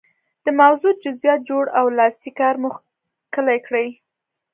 د موضوع جزئیات جوړ او لاسي کار مو ښکلی کړئ.